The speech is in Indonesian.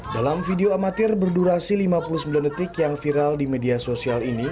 dalam video amatir berdurasi lima puluh sembilan detik yang viral di media sosial ini